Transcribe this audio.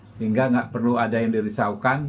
sehingga nggak perlu ada yang dirisaukan